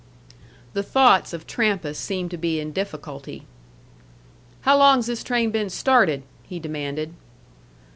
The thoughts of Trampas seemed to be in difficulty. "How long's this train been started?" he demanded.